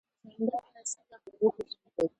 چنډخه څنګه په اوبو کې ژوند کوي؟